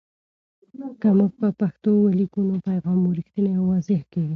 که موږ په پښتو ولیکو، نو پیغام مو رښتینی او واضح کېږي.